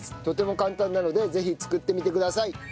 とても簡単なのでぜひ作ってみてください。